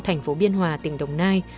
thành phố biên hòa tỉnh đồng nai